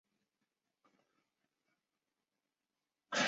父亲是宇津忠茂。